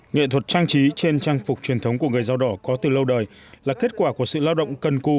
nghệ thuật trang trí trên trang phục truyền thống của người dao đỏ có từ lâu đời là kết quả của sự lao động cần cù